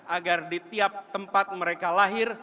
agar di tiap tempat mereka lahir